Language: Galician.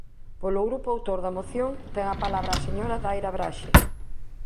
Polo grupo autor da moción, ten a palabra a señora Daira Braxe.